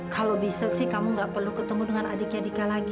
kalau bisa sih kamu gak perlu ketemu dengan adiknya dika lagi